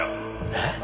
えっ？